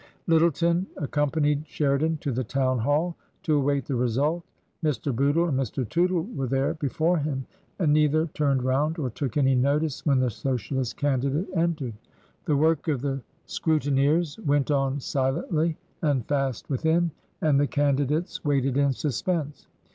Lyttleton accompanied Sheridan to the Town Hall to await the result. Mr. Bootle and Mr. Tootle were there before him, and neither turned round or took any notice when the Socialist candidate entered. The work of the transition: 225 scrutineers went on silently and fast within, and the can didates waited in suspense.